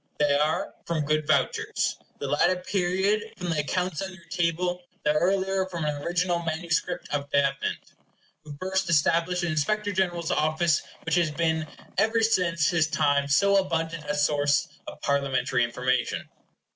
They are from good vouchers; the latter period from the accounts on your table, the earlier from an original manuscript of Davenant, who first established the Inspector General's office, which has been ever since his time so abundant a source of Parliamentary information.